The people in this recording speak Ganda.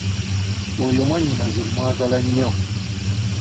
Oyo mwannyinaze mwagala nnyo.